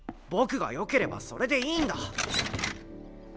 僕がよければそれでいいんだ。